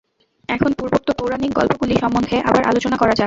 এখন পূর্বোক্ত পৌরাণিক গল্পগুলি সম্বন্ধে আবার আলোচনা করা যাক।